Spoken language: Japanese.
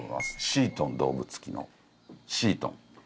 『シートン動物記』のシートン。